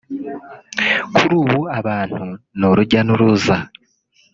kuri ubu abantu ni urujya n’uruza